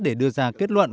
để đưa ra kết luận